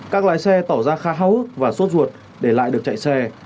các lái xe tỏ ra khá háo ước và suốt ruột để lại được chạy xe